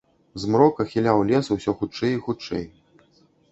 Змрок ахіляў лес усё хутчэй і хутчэй.